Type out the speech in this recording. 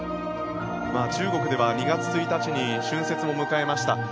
中国では２月１日に春節を迎えました。